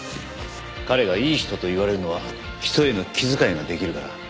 彼がいい人と言われるのは人への気遣いができるから。